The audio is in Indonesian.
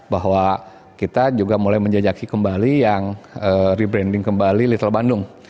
bahwa kita juga mulai menjajaki kembali yang rebranding kembali little bandung